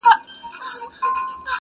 په اساس کي بس همدغه شراکت دئ.!